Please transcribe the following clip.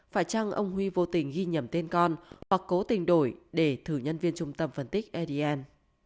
phải chăng ông huy vô tình ghi nhầm tên con hoặc cố tình đổi để thử nhân viên trung tâm phân tích adn